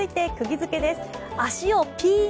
足をピーン！